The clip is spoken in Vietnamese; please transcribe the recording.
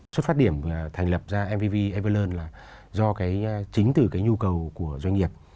số phát điểm thành lập mvv evalon là chính từ nhu cầu của doanh nghiệp